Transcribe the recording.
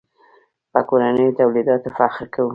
په کورنیو تولیداتو فخر کوو.